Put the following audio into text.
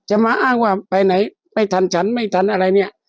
มาอ้างว่าไปไหนไม่ทันฉันไม่ทันอะไรเนี่ย